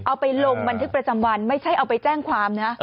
เอาไปลงบันทึกประจำวันไม่ใช่เอาไปแจ้งความนะ